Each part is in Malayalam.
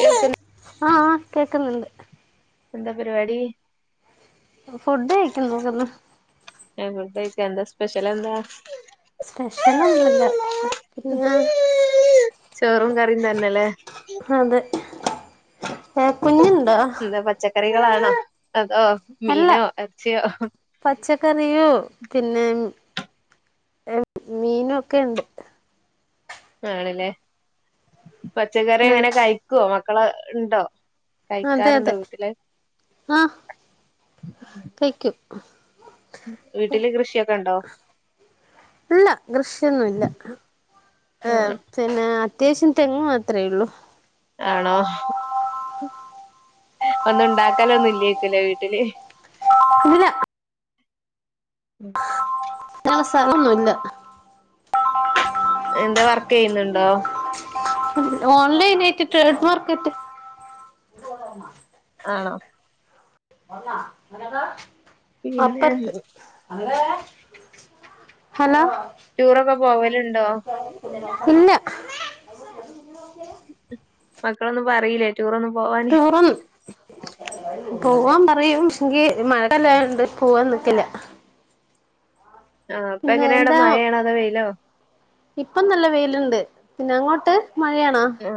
കേൾക്കുന്ന ആഹ് കേക്ന്ന്ണ്ട് എന്താ പരിപാടി ഫുഡ് കഴിക്കാ ഫുഡയ്ക്ക എന്താ സ്പെഷ്യൽ എന്താ സ്പെഷ്യൽന്നുല്ല പിന്നെ ചോറും കറിയും തന്നെല്ലേ അതെ ഏ കുഞ്ഞുണ്ടോ? അ പച്ചക്കറികളാണോ അതോ അല്ല മീനോ എറച്ചിയോ പച്ചക്കറിയോ പിന്നെ മീനും ഒക്കെ ഇണ്ട് ആണ്ല്ലേ പച്ചക്കറി എങ്ങനെ കയ്ക്കോ മക്കളെണ്ടോ അതെ അതെ ആ കയ്ക്കും വീട്ടില് കൃഷിയൊക്കെണ്ടോ ഇല്ല കൃഷിയൊന്നുല്ല ഏ പിന്നെ അത്യാവശ്യം തെങ്ങ് മാത്രേള്ളു ആണോ ഒന്നുണ്ടാക്കലൊന്നുംല്ലേക്കുലെ വീട്ടില് ആ സ്ഥലൊന്നുല്ല എന്താ വർക്കെയ്യ്ന്ന്ണ്ടോ ഓൺലൈനായിട്ട് ട്രൈഡ് മാർക്കറ്റ് ആണോ പിന്നെ അപ്പർത്ത് ഹലോ റ്റൂറൊക്കെ പോവല്ണ്ടോ ഇല്ല മക്കളൊന്നും പറീല്ലേ റ്റൂറൊന്നും റ്റൂറും പോവാൻ പറയും എങ്കി മയെല്ലായോണ്ട് പോവാനിക്കല്ല ആ പിന്നെ പ്പെങ്ങനാടെ എന്താ മയേണോ അതോ വെയിലോ ഇപ്പം നല്ല വെയ്ല്ണ്ട് പിന്നെ അങ്ങോട്ട് മഴയാണോ ആ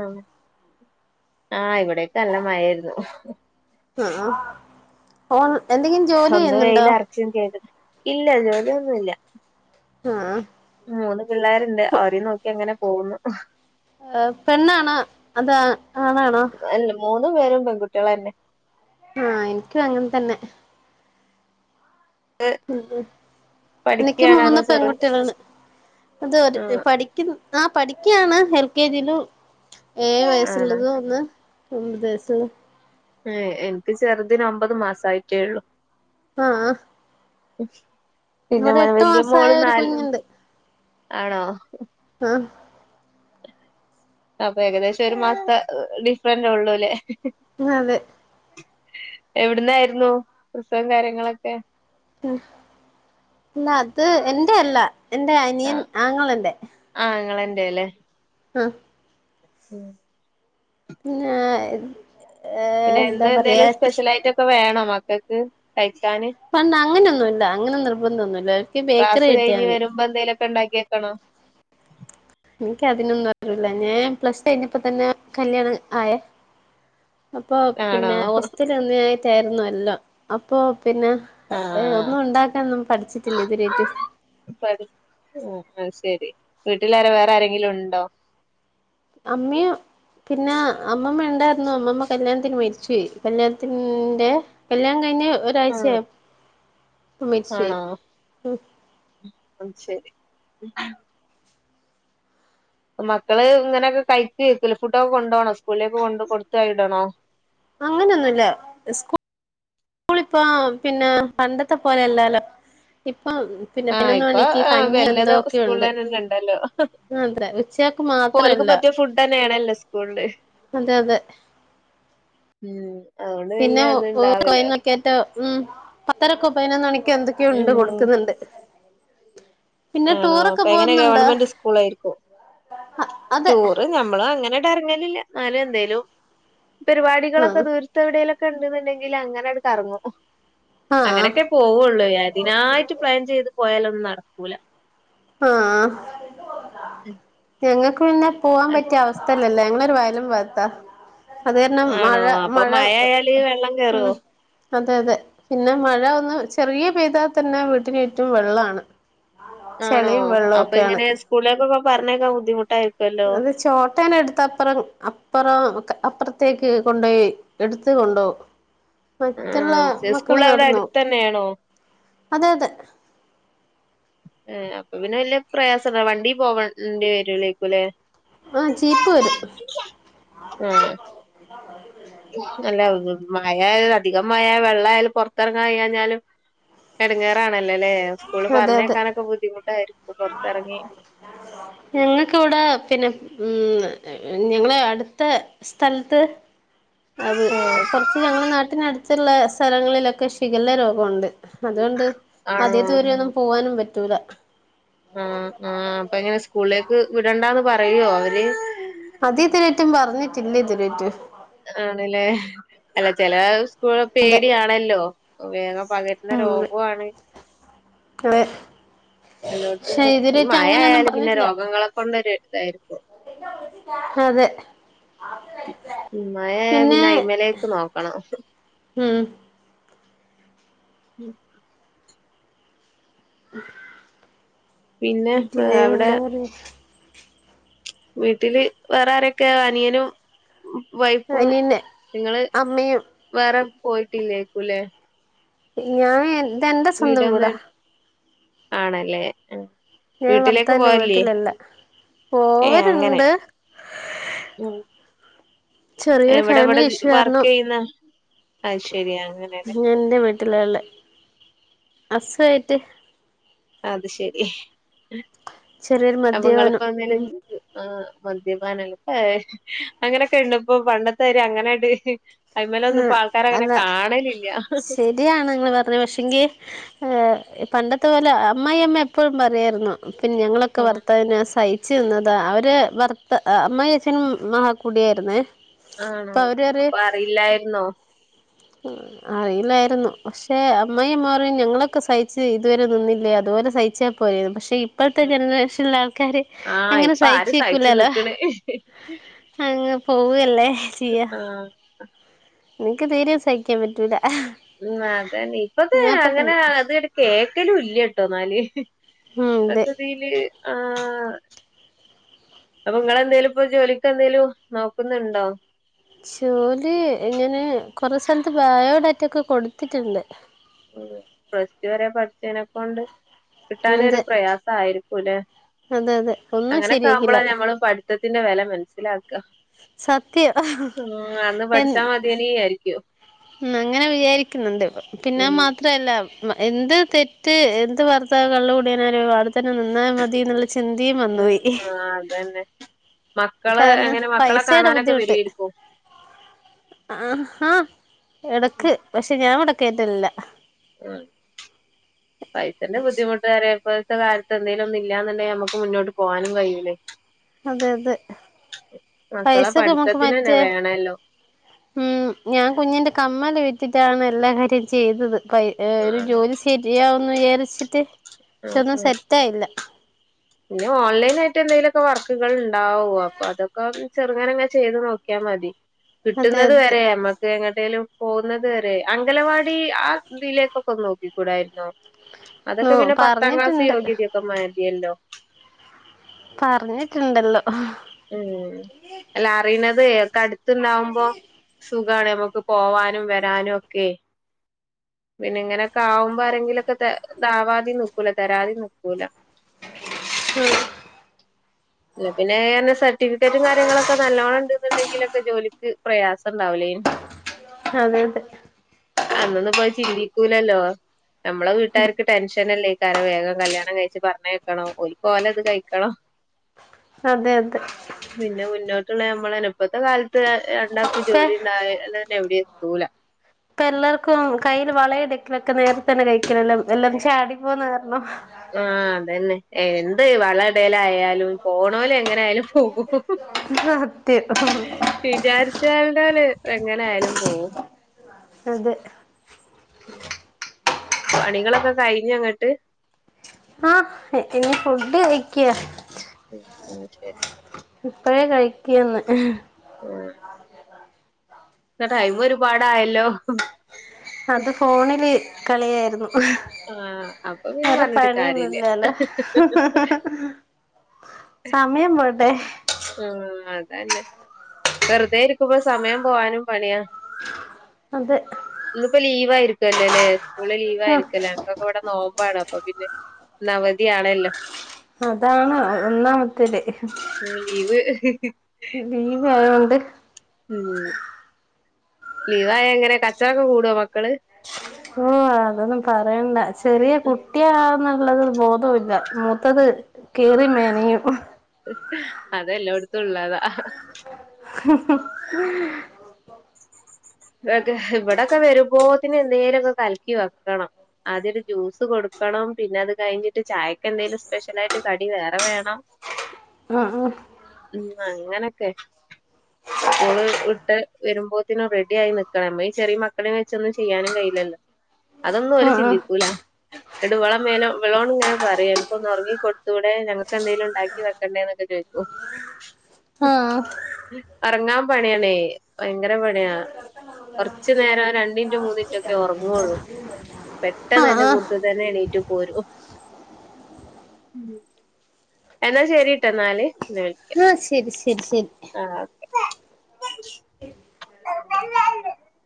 ആ ഇവടൊക്കെ നല്ല മയേര്ന്നു ആ ആ ഓൻ എന്തെങ്കി ഒന്ന് വെയ്ലർച്ചും ചെയ്ത് ഇല്ല ജോലിയൊന്നുല്ല ആ ആ മൂന്ന് പിള്ളാര്ണ്ട് ഓരേം നോക്കി അങ്ങനെ പോകുന്നു ഏ പെണ്ണാണോ അത് ആണാണോ അല്ല മൂന്നു പേരും പെൺകുട്ട്യളെന്നെ ആ എനിക്കും അങ്ങൻത്തെന്നെ ഉം ഉം എനിക്കും പഠിക്കയാണോ അതോ മൂന്ന് ചെറു പെൺകുട്ട്യളാണ് അത് ഒര് ആഹ് പടി ക്കുന്നു ആ പഠിക്ക്യാണ് എൽ കെ ജിലും ഏയ് ആണോ വയസ്സ്ള്ളതും ഒന്ന് ഒമ്പത് സ്സു ഏ എനിക്ക് ചെർതിന് ഒമ്പത് മാസായിട്ടേള്ളു ആ [unintelligible] പിന്നെ എട്ട് വെല്യ മോള് മാസായ ഒരു നാലും കുഞ്ഞുണ്ട് ആണോ ആ അപ്പൊ ഏകദേശം ഒരു മാസത്തെ ഡിഫറന്റ് ഉള്ളൂലെ അതേ എവിട്ന്നായിരുന്നു പ്രസവും കാര്യങ്ങളൊക്കെ ഉം ഇല്ല അത് എന്റെയല്ല എന്റെ അനിയൻ ആങ്ങളെന്റെ ആങ്ങളന്റെ ല്ലേ അ ഉം പിന്ന ഏ എന്താ പറയാ ക്കെ വേണോ മക്കക്ക് കയ്ക്കാന് പണ്ട് അങ്ങനൊന്നുല്ല അങ്ങനെ നിർബന്തൊന്നുല്ല ഓൽക്ക് ബേക്കറി കിട്ടിയാ മതി പ്പന്തേലൊക്കെണ്ടാക്കി ക്കണോ എനിക്കതിനൊന്നും അറില്ല ഞാൻ പ്ലസ് ടു കയ്ഞപ്പത്തെന്നെ കല്യാണം ആയേ അപ്പൊ ആണോ പിന്നെ ഓസ്റ്റൽന്നായിട്ടായിരുന്നു എല്ലം അപ്പൊ പിന്നെ ഏ ആഹ് ഒന്നുണ്ടാക്കാനൊന്നും പഠിച്ചിട്ടില്ലെ ഇതു വരെറ്റും ആയ് ശരി വീട്ടിൽര വേറെ ആരെങ്കിലും ണ്ടോ? അമ്മിയ പിന്നെ അമ്മമ്മ ണ്ടായിരുന്നു അമ്മമ്മ കല്യാണത്തിന് മരിച്ചു പോയി കല്യാണത്തിന്റെ കല്യാണം കഴിഞ്ഞ ആഹ് ഒരാഴ്ചയ- ആണോ അത് ശരി മക്കള് ഇങ്ങനൊക്കെ കഴിക്ക് ഫുഡൊക്കെ കൊണ്ട് പോണോ സ്കൂളിലേക്ക് കൊണ്ട് കൊടുത്തായിടണോ അങ്ങനെയൊന്നുമില്ല സ്കൂ സ്കൂളിളിപ്പം പിന്നെ പണ്ടത്തെ പോലെയല്ലാലോ ഇപ്പം പിന്നെ പിന്നെ ആഹ് ഒന്ന് ഇപ്പൊ എനിക്ക് കഞ്ഞി വല്ലതും എന്തോക്കെയോ ഉണ്ട് സ്കൂളിലന്നെ ഉണ്ടല്ലോ അതെ ഉച്ചക്ക് ഓൽക്ക് മാത്രമല്ല പറ്റിയ ഫുഡ് തന്നെയാണല്ലോ സ്കൂളില് അതെ അതെ ഉം അതുകൊണ്ട് പിന്നെ അത് ഇണ്ടാവലോ ഏറ്റോ ഉം പത്തരക്കോ പതിനൊന്ന് മണിക്കോ എന്തൊക്കെയോ ഉം ണ്ട് കൊടുക്കുന്നുണ്ട് പിന്നെ ആണോ ടൂറൊക്കെ അപ്പ എങ്ങനെ പോകുന്നുണ്ടോ ഗവൺമെന്റ് സ്കൂൾ ആയിരിക്കോ അതെ ടൂറ് നമ്മള് അങ്ങനെ കറങ്ങലില്ല എന്നാലും എന്തേലും പരിപാടികളൊക്കെ ആഹ് തീ ത്ത് എവിടേലുമൊക്കെ ഉണ്ടെന്നുണ്ടെങ്കിൽ അങ്ങനെ അങ്ങട് ഇറങ്ങും ആഹ് അങ്ങനെയൊക്കെ പോവുള്ളൂ അതിനായിട്ട് പ്ലാൻ ചെയ്ത് പോയാലൊന്നും നടക്കൂല ആഹ് അഹ് ഉം ഞങ്ങൾക്ക് പിന്നെ പോവാൻ പറ്റിയ അവസ്ഥയിലല്ല ഞങ്ങളൊരു വയലും വത്താ അത് കാരണം ആണോ മഴ അപ്പൊ മഴ മഴയായാല് വെള്ളം കേറോ ഉം അതെ അതെ പിന്നെ മഴ ഒന്ന് ചെറിയ പെയ്താൽ തന്നെ വീട്ടിന് ചുറ്റും വെള്ളമാണ് ആണോ അപ്പൊ ഇങ്ങനെ സ്കൂളിലേക്ക് ഒക്കെ പറഞ്ഞയക്കാൻ ബുദ്ധിമുട്ടായി അത് ചോട്ടേനെ എടുത്ത് അപ്പറം അപ്പുറം അപ്പുറത്തേക്ക് കൊണ്ടോയി എടുത്ത് കൊണ്ടോവും മറ്റുള്ള ആഹ് സ്കൂൾ മക്കള് അവിടെ നടന്നു പോവും അടുത്തന്നെയാണോ അതെ അതെ ഏഹ് അപ്പം പിന്നെ വലിയ പ്രയാസം എന്താ വണ്ടി പോവേണ്ടി വരുല്ലേക്കും അല്ലേ ആഹ് ജീപ്പ് വരും ആഹ് അല്ല മഴ അധികം മഴ വെള്ള ആയാലും പുറത്തിറങ്ങാൻ കഴിയാഞ്ഞാലും ഇടങ്ങേറാണല്ലോല്ലേ സ്കൂള് അതെ അതെ പറഞ്ഞയക്കാനൊക്കെ ബുദ്ധിമുട്ടായിരിക്കും പുറത്തിറങ്ങി ഞങ്ങൾക്ക് ഇവിടെ പിന്നെ ഉം ഞങ്ങള് അടുത്തെ സ്ഥലത്ത് ആഹ് കുറച്ച് ഞങ്ങള് നാട്ടിനടുത്തുള്ള സ്ഥലങ്ങളിലൊക്കെ ഷിഗെല്ല രോഗമുണ്ട് അതുകൊണ്ട് ആണോ അധികം ദൂരമൊന്നും പോവാനും പറ്റൂല ആഹ് ആഹ് അപ്പം എങ്ങനെയാ സ്കൂളിലേക്ക് വിടണ്ടാന്ന് പറയുവോ അവര് അത് ഇതു വരെ ആയിട്ടും പറഞ്ഞിട്ടില്ല ഇതിലേറ്റും ആണല്ലേ അല്ല ചെല സ്കൂളിന് അതെ പേടിയാണല്ലോ വേഗം പകര പകരുന്ന ഉം രോഗാണ് അതെ എല്ലോടത്തും പക്ഷെ ഇതുവരെയായിട്ട് മഴ അങ്ങനെയൊന്നും ആയാല് പിന്നെ പറഞ്ഞിട്ടില്ല രോഗങ്ങളെ കൊണ്ടൊര് ഇതായിരിക്കും അതെ മഴ ആയാ പിന്നെ അയിമ്മേലേക്ക് നോക്കണം ഉം ഉം പിന്നെ എന്താ പറയാ വീട്ടില് വേറെ ആരൊക്കെയാ അനിയനും വൈഫും അനിയന്റെ നിങ്ങള് അമ്മയും വേറെ പോയിട്ടില്ലേക്കൂല്ലേ ഞാനേ വീടന്ന് ആണല്ലേ ഞാൻ വീട്ടിലേക്ക് ഭർത്താവിന്റെ പോവല്ലേ വീട്ടിലല്ല ഏ അങ്ങനെ പോവലുണ്ട് ഉം ചെറിയൊരു എവിടെ ഇവിടെ ഫാമിലി ഇഷ്യൂ വർക്ക് കാരണം ചെയ്യുന്ന അത് ശരി അങ്ങനെലേ ഞാൻ എന്റെ ഉള്ളെ ഹസുആയിട്ട് അത് ശെരി ചെറിയൊരു അപ്പൊ മദ്യപാനം ഇങ്ങളിപ്പോ എന്നാല് ഉം ആഹ് മദ്യപാനം ഏയ് അങ്ങനൊക്കെണ്ട്പ്പൊ പണ്ടത്താരീ അങ്ങനെണ്ട് അയിമെലൊന്നും ആഹ് ഇപ്പാൾക്കാരങ്ങനെ അല്ല കാണലില്ല ശരിയാണ് നിങ്ങൾ പറഞ്ഞത് പക്ഷെങ്കി പണ്ടത്തെ പോലെ അമ്മായി അമ്മ എപ്പോഴും പറയേര്ന്നു പിന്നെ ഞങ്ങളൊക്കെ ഉം, ഭർത്താവിനെ സയ് ച്ച് നിന്നതാ അവര് ഭർത്ത അമ്മായച്ചനും മഹാകുടിയായിരുന്നേ ആണോ അപ്പൊ അറിയില്ലായിരുന്നോ ഉം അറിയില്ലായിരുന്നു പക്ഷെ അമ്മായിഅമ്മ പറയും ഞങ്ങളൊക്കെ സഹിച്ച് ഇതുവരെ നിന്നില്ലേ അതുപോലെ സഹിച്ചാ പോരെന്ന് പക്ഷെ ഇപ്പൾത്തെ ജനറേഷൻല്ള്ള ആൾക്കാര് ആഹ് അങ്ങനെ ഇപ്പൊ ആര് സഹിച്ചു സഹിച്ച്ക്കൂലല്ലോ നിക്കണ് അങ്ങ് പോവല്ലേ ആഹ് ഇനിക്ക് തീരേം സഹിക്കാൻ പറ്റൂല ഉം അതാണേ ഇപ്പത്തെ ഞാൻപ്പ അങ്ങനെ തന്നെ അതട് കേക്കലും ഇല്ലട്ടോന്നാല് ഉം അതെ ഇപ്പത്തെ ഇതീല് ആഹ് അപ്പൊ ഇങ്ങളെന്തേലും ഇപ്പൊ ജോലിക്കെന്തേലും നോക്കുന്നുണ്ടോ ജോലി ഇങ്ങനെ കുറെ സ്ഥലത്ത് ബയോഡാറ്റ ഒക്കെ കൊടുത്തിട്ടുണ്ട് ഉം പ്ലസ്ടു വരെ പഠിച്ചേനെക്കൊണ്ട് കിട്ടാനൊരു അതെ പ്രയാസായിരിക്കുല്ലേ അതെ അതെ ഒന്നും അങ്ങനെക്കാമ്പളാ ശരിയാക്കില്ല ഞമ്മള് പഠിത്തത്തിന്റെ വെല മനസ്സിലാക്ക സത്യം ഉം അന്ന് എൻ പഠിച്ചാ മതിയേനീ വിചാരിക്കും അങ്ങനെ വിചാരിക്കുന്നുണ്ട് ഇപ്പൊ പിന്നെ അത്‌ ഉം മാത്രല്ല മ് എന്ത് തെറ്റ് എന്ത് ഭർത്താവ് കള്ള് കൂടിയാനായാലും അവിടെ തന്നെ നിന്നാ മതീന്ന് ഇള്ള ചിന്തീം ഉം വന്ന്പോയി ആഹ് അതന്നെ മക്കള് കാരണം എങ്ങനെ മക്കളെ പൈസേടെ കാണാനൊക്കെ ബുദ്ധിമുട്ട് വരുവായിരിക്കും ആഹ എടക്ക് പഷെ ഞാൻ ഇവടെ കേറ്റലില്ല ആഹ് പൈസെൻ്റെ ബുദ്ധിമു ഇപ്പൊഴ്ത്തകാലത്ത് എന്തേലൊന്ന് ഇല്ലാന്ന്ണ്ടെങ്കി നമുക്ക് മുന്നോട്ട് പോകാനും കയൂലെയ് അതെ അതെ മക്കളെ പൈസക്ക്‌ ഇമ്മക്ക്‌ പഠിത്തത്തിനന്നെ മറ്റേ വേണല്ലോ ഉം ഞാൻ കുഞ്ഞിന്റെ കമ്മല് വിറ്റിട്ടാണ് എല്ലാ കാര്യം ചെയ്തത് പൈ ഏഹ് ഒരു ജോലി ശരിയാവുന്ന് വിചാരിച്ചിട്ട് പക്ഷെ ഉം ഒന്നും ഉം സെറ്റായില്ല പിന്നെ ഓൺലൈനായിട്ട് എന്തേലൊക്കെ വർക്കുകൾ ഉണ്ടാവും അപ്പൊ അതൊക്കെ ചെറുങ്ങനെങ്ങ് ചെയ്ത് നോക്കിയാ മതി [inaudible] കിട്ടുന്നത് അതെ വരെ നമ്മക്ക് എങ്ങട്ടേലും പോകുന്നത് വരെ അംഗലവാടി ആ ഇതിലേക്കൊക്കെ ഒന്ന് നോക്കി കൂടായിര്ന്നോ ഓ അതൊക്കെ പിന്നെ പത്താം ക്ലാസ് പറഞ്ഞിട്ടുണ്ട് യോഗ്യത ഒക്കെ മതിയല്ലോ പറഞ്ഞിട്ട്ണ്ട് എല്ലോ ഉം അല്ല അറിയ്ണത് ഒക്കെ അടുത്ത്ണ്ടാവുമ്പോ സുഖാണ് നമുക്ക് പോവാനും വരാനും ഒക്കെ പിന്നെങ്ങനൊക്കെ ആവുമ്പോ ആരെങ്കിലൊക്കെ ഇതാവാതിം നിക്കൂല തരാതിം നിക്കൂല ആഹ് ഇല്ലേ പിന്നേ സർട്ടിഫിക്കറ്റും കാര്യങ്ങളൊക്കെ നല്ലോണണ്ട്ന്ന്ണ്ടെങ്കിലൊക്കെ ജോലിക്ക് പ്രയാസം ഉണ്ടാവില്ലേനു അതെ അതെ അന്നൊന്നും ഇപ്പൊ അത്‌ ചിന്തിക്കൂലല്ലോ നമ്മളെ വീട്ടുകാർക്ക് ടെൻഷനല്ലേ ക്കാരം വേഗം കല്യാണം കഴിച്ച് പറഞ്ഞയക്കണം ഓല്ക് ഓലത് കഴിക്കണം അതെയതെ പിന്നെ മുന്നോട്ടുള്ള നമ്മളെ പ്പത്തെ കാലത്ത് രണ്ടാക്കും ഇപ്പ ജോലിണ്ടായാലെന്നെ എവിടിം എത്തൂല പ്പ എല്ലാവർക്കും കയ്യിൽ വളയിടീക്കലൊക്കെ നേര തന്നെ കഴിക്കെണല്ലോ എല്ലാരും ചാടി പോണകാരണം ആ അതെന്നെ എന്ത് വളടലായാലും പോണലെങ്ങനൊയാലും പോകും. സത്യം ഹ് വിചാരിച്ചാല് എങ്ങനെ ആയാലും പോവും. അതെ. പണികളൊക്കെ കഴിഞ്ഞങ്ങട്ട്? ആഹ് ഇീ ഫുഡ് കഴിക്ക. [unintelligible] ഇപ്പഴേ കഴിക്കന്ന്. [unintelligible] ടൈമൊരുപാടയല്ലോ അത് ഫോണിൽ കളിയായിരുന്നു. ആഹ് അപ്പൊ പിന്നെ വേറെ പറഞ്ഞിട്ട് കാര്യല്ല പണിയൊന്നുംല്ലലോ ഹ് സമയം പോയിട്ടെയ്. ആ അതന്നെ വെറുതെ ഇരിക്കുമ്പോ സമയം പോവാനും പണിയാ. അതെ. ഇന്നിപ്പോ ലീവ് ആയിരിക്കല്ലോ അല്ലേ സ്കൂള് ലീവ് ആഹ് ആയിരിക്കല്ലേ? ഇന്നിപ്പോ ഇവിടെ നോമ്പാണ് അപ്പൊ പിന്നെവതിയാണല്ലോ? അതാണ് ഒന്നാമത്തേത്. ഉം ലീവ് ലീവാ യോണ്ട്. ഉം ലീവായ എങ്ങനെ കച്ചറൊക്കെ കൂടോ മക്കള്? ഓ അ അതൊന്നും പറയണ്ട ചെറിയ കുട്ടിയാണെന്നുള്ള ബോധവില്ല മൂത്തത്. കേറി മെനയും. ഹി അതെ ലോടുത്തുംള്ളതാ. ഹി ഹി ഇവിടൊക്കെ വരുമ്പോത്തിന് എന്തോ ലൊക്കെ കലക്കി വെക്കണം. ആദ്യം ഒരു ജ്യൂസ് കൊടുക്കണം പിന്നെ അത് കഴിഞ്ഞിട്ട് ചായകെന്തെങ്കിലും സ്പെഷ്യൽ ആയിട്ട് കടി വേറെ വേണം. [unintelligible] ആഹ ആ ഉ അങ്ങനൊക്കെ. സ്കൂള് വിട്ട് വരുമ്പോത്തിനും റെ ആയി നിക്കണം നമ്മളി ചെറിയ മക്കളിം വെച്ച് ഒന്നും ചെയ്യാനും കയ്യിലല്ലോ? അതൊന്നും ആ ആ ഓല് ആ ചിന്തിക്കൂല. ഇവളെ മേല ഇവളോട് ഇങ്ങനെ പറയും അനക്ക് ഒന്ന് ഒറങ്ങി കൊടുത്തൂടെ ഞക്ക്ന്തേലും ഉണ്ടാക്കി വെക്കണ്ടേന്നൊക്കെ ചോദിക്കും. [inaudible] ഉറങ്ങാൻ പണിയണേ ഭയങ്കര പണിയാ. കുറച്ച നേരം രണ്ടിനിറ്റ് മൂന്നിനിറ്റൊക്കെ ഉറങ്ങുവൊള്ളൂ ആ ആ പെട്ടെന്ന് തന്നെ ആ കൂത്ത് തന്നെ എണീറ്റ് പോരും. എന്നാ ശരിട്ടോ എന്നാല് പിന്നെ വിളിക്ക. ആഹ് ശരി ശരി ശരി. ആഹ ഓക്കെ